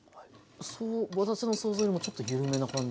私の想像よりもちょっと緩めな感じ。